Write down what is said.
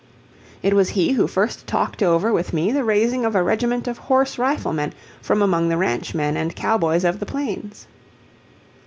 It was he who first talked over with me the raising of a regiment of horse riflemen from among the ranchmen and cowboys of the plains.